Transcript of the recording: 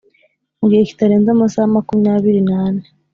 Mu gihe kitarenze amasaha makumyabiri n ane